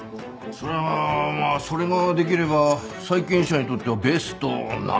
そりゃまあそれができれば債権者にとってはベストなんだろうけどね。